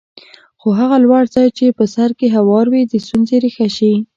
خو هغه لوړ ځای چې په سر کې هوار وي د ستونزې ریښه شي.